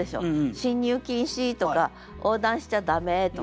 「進入禁止」とか「横断しちゃ駄目」とか。